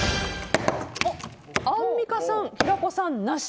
アンミカさん、平子さん、なし。